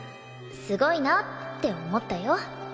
すごいなって思ったよ。